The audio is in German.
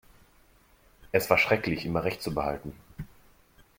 Es war schrecklich, immer Recht zu behalten.